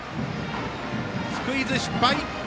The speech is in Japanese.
スクイズ失敗！